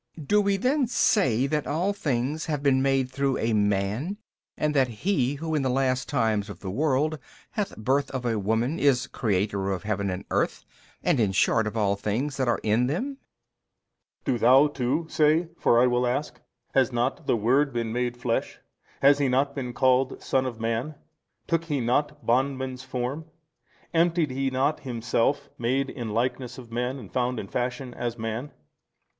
Do we then say that all things have been made through a man and that he who in the last times of the world hath birth of a woman is Creator of heaven and earth and in short of all things that are in them? A. Do thou too say, for I will ask: Has not the Word been made flesh? has He not been called son of man? took He not bondman's form? emptied He not Himself, made in likeness of men and found in fashion as man?